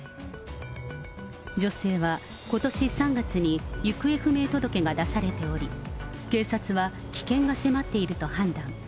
女性はことし３月に行方不明届が出されており、警察は危険が迫っていると判断。